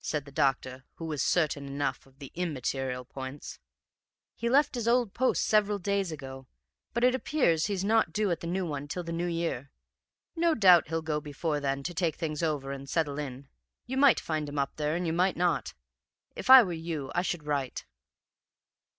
F.,' said the doctor, who was certain enough of the immaterial points. 'He left his old post several days ago, but it appears he's not due at the new one till the New Year. No doubt he'll go before then to take things over and settle in. You might find him up there and you might not. If I were you I should write.'